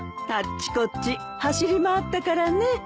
あっちこっち走り回ったからね。